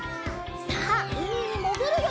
さあうみにもぐるよ！